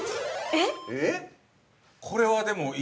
◆えっ？